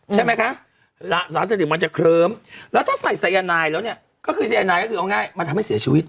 ใช่ไหมคะสารเสพติดมันจะเคลิ้มแล้วถ้าใส่สายนายแล้วเนี่ยก็คือสายนายก็คือเอาง่ายมันทำให้เสียชีวิต